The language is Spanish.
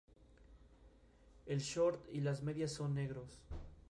Cerca del dique se construyeron además otros almacenes, de carbón y de madera.